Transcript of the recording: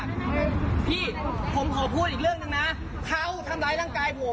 พี่ผมขอพูดอีกเรื่องหนึ่งนะเขาทำร้ายร่างกายผม